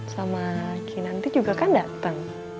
sama kinanti juga kan datang